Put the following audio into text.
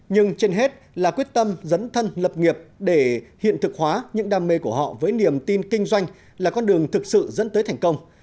nhưng trên hết là quyết tâm dấn thân lập nghiệp để hiện thực hóa những đam mê của họ với niềm tin kinh doanh là con đường thực sự dẫn tới thành công